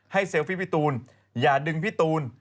เซลฟี่พี่ตูนอย่าดึงพี่ตูน